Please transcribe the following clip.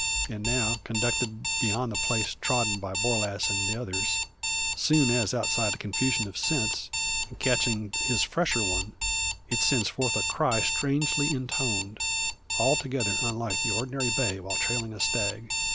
And now conducted beyond the place trodden by Borlasse and the others, soon as outside the confusion of scents, and catching his fresher one, it sends forth a cry strangely intoned, altogether unlike its ordinary bay while trailing a stag.